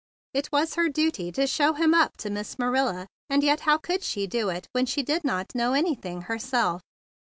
It was her duty to show him up to Miss Marilla; and yet how could she do it THE BIG BLUE SOLDIER 55 when she did not know anything herself?